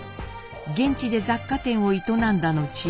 現地で雑貨店を営んだ後